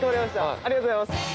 ありがとうございます。